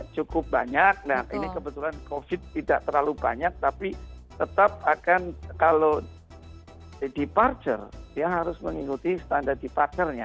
cukup banyak nah ini kebetulan covid tidak terlalu banyak tapi tetap akan kalau departure dia harus mengikuti standar departnernya